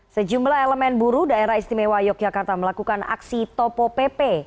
sejumlah elemen buru daerah istimewa yogyakarta melakukan aksi topo pp